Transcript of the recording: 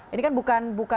ini kan bukan